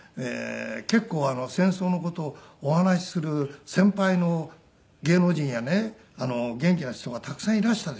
結構戦争の事をお話しする先輩の芸能人やね元気な人がたくさんいらしたでしょ。